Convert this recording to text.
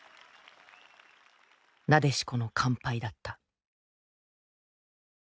なでしこの完敗だった。